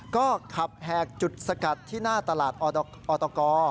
ก็ขับแหกจุดสกัดที่หน้าตลาดออตก